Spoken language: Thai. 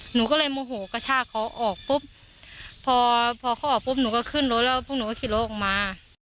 หนูก็เลยโมโหกระชากเขาออกปุ๊บพอพอเขาออกปุ๊บหนูก็ขึ้นรถแล้วพวกหนูก็ขี่รถออกมา